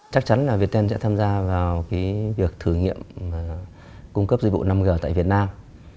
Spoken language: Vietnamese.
chắc chắn là việt tân sẽ tham gia vào việc thử nghiệm cung cấp dịch vụ năm g tại việt nam